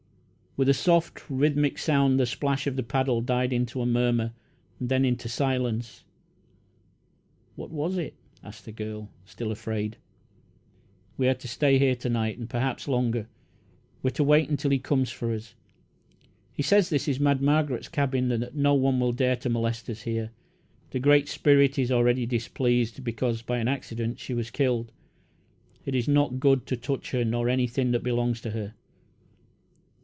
With a soft, rhythmic sound the splash of the paddle died into a murmur, then into silence. "What was it?" asked the girl, still afraid. "We are to stay here to night and perhaps longer we are to wait until he comes for us. He says this is Mad Margaret's cabin, and that no one will dare to molest us here. The Great Spirit is already displeased, because by an accident she was killed. It is not good to touch her nor anything that belongs to her."